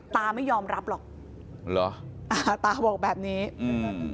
ไม่ยอมรับหรอกเหรออ่าตาบอกแบบนี้อืม